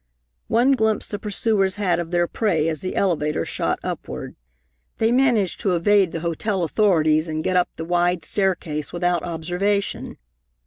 One glimpse the pursuers had of their prey as the elevator shot upward. They managed to evade the hotel authorities and get up the wide staircase without observation.